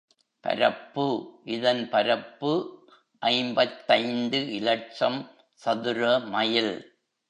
பரப்பு இதன் பரப்பு ஐம்பத்தைந்து இலட்சம் சதுர மைல்.